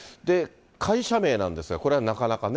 会社名なんですが、これはなかなかね。